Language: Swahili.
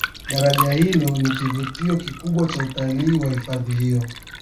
daraja hilo ni kivutio kikubwa cha utalii wa hifadhi hiyo